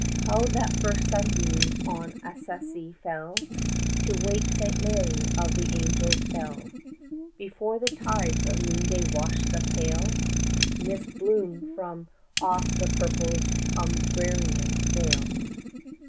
How that first sunbeam on Assisi fell To wake Saint Mary of the Angels' bell, Before the tides of noonday washed the pale 25 Mist bloom from off the purple Umbrian vale!